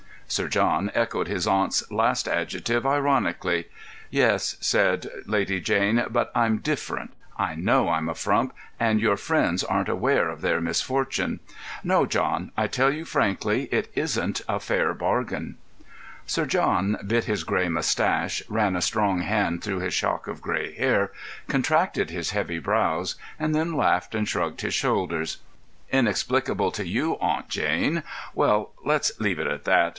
Sir John echoed his aunt's last adjective ironically. "Yes," said Lady Jane, "but I'm different. I know I'm a frump, and your friends aren't aware of their misfortune. No, John, I tell you frankly, it isn't a fair bargain." Sir John bit his grey moustache, ran a strong hand through his shock of grey hair, contracted his heavy brows, and then laughed and shrugged his shoulders. "Inexplicable to you, eh, Aunt Jane? Well, let's leave it at that.